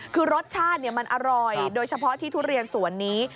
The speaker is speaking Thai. คือรสชาติมันอร่อยโดยเฉพาะที่ทุเรียนสวนนี้